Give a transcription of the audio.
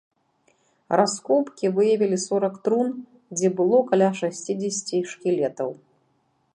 Раскопкі выявілі сорак трун, дзе было каля шасцідзесяці шкілетаў.